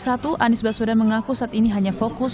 anies baswedan mengaku saat ini hanya fokus